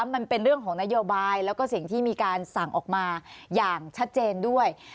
มันเป็นเรื่องของนโยบายแล้วก็สิ่งที่มีการสั่งออกมาอย่างชัดเจนด้วย